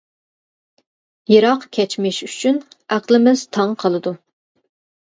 يىراق كەچمىش ئۈچۈن ئەقلىمىز تاڭ قالىدۇ.